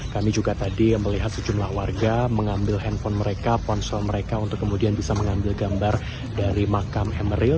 kami juga tadi melihat sejumlah warga mengambil handphone mereka ponsel mereka untuk kemudian bisa mengambil gambar dari makam emeril